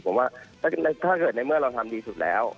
ผมว่าถ้าเกิดในเมื่อเราทำดีสุดแล้ว